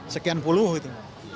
sekian puluh itu